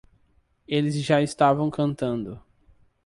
Eles já estavam cantando.